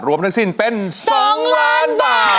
ทั้งสิ้นเป็น๒ล้านบาท